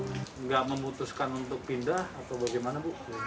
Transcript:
tidak memutuskan untuk pindah atau bagaimana bu